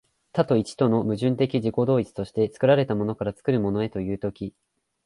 多と一との矛盾的自己同一として、作られたものから作るものへという時、